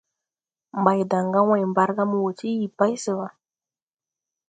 Mbaydan gà wãy Mbargā mo wɔɔ ti yii pay se wa.